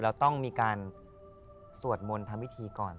เราต้องมีการสวดมนต์ทำพิธีก่อน